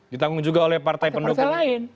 ditanggung juga oleh partai pendukung lain